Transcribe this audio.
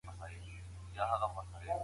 ښه انسان تل ريښتينې هڅه کوي